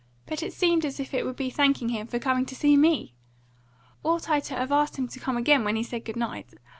But it seemed as if it would be thanking him for coming to see me. Ought I to have asked him to come again, when he said good night?